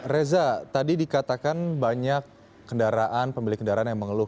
reza tadi dikatakan banyak kendaraan pemilik kendaraan yang mengeluh